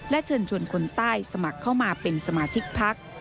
และเชิญชวนคนใต้สมัครเข้ามาเป็นสมาชิกพัก